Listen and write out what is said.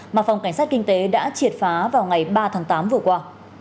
mà phòng cảnh sát kinh tế đã triệt phá vào ngày ba tháng tám vừa qua